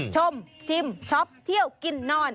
ชมชิมชอบเที่ยวกินนอน